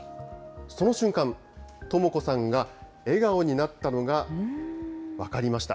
その瞬間、智子さんが笑顔になったのが分かりました。